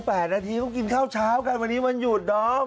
๘นาทีเขากินข้าวเช้ากันวันนี้วันหยุดดอม